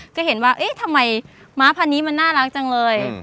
ก็เห็นว่าเอ๊ะทำไมม้าพันนี้มันน่ารักจังเลย